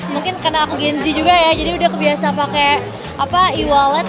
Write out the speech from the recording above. mungkin karena aku gen z juga ya jadi udah kebiasa pakai e wallet